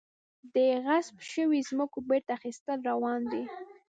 د غصب شویو ځمکو بیرته اخیستل روان دي؟